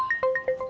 ia neng ineke